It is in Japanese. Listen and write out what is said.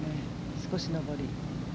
少し上り。